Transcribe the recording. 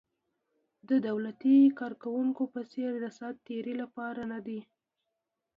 د دولتي کارکوونکو په څېر د ساعت تېرۍ لپاره نه دي.